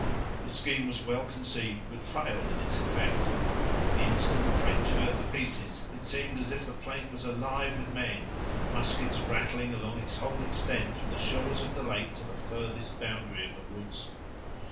The scheme was well conceived, but failed in its effects. The instant the French heard the pieces, it seemed as if the plain was alive with men, muskets rattling along its whole extent, from the shores of the lake to the furthest boundary of the woods.